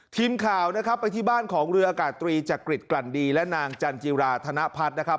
ทีมข่าวนะครับไปที่บ้านของเรืออากาศตรีจักริจกลั่นดีและนางจันจิราธนพัฒน์นะครับ